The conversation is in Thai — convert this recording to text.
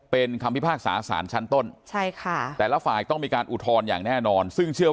เป็นคำพิพากษาสารชั้นต้นแต่ละฝ่ายต้องมีการอุทรอย่างแน่นอน